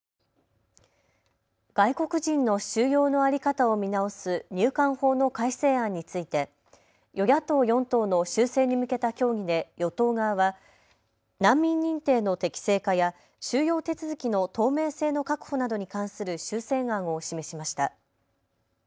外国人の収容の在り方を見直す入管法の改正案について与野党４党の修正に向けた協議で与党側は難民認定の適正化や収容手続きの透明性の確保などに関する修正案を示しました。